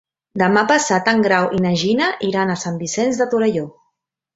Demà passat en Grau i na Gina iran a Sant Vicenç de Torelló.